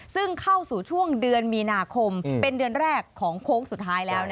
ซึ่งเข้าสู่ช่วงเดือนมีนาคมเป็นเดือนแรกของโค้งสุดท้ายแล้ว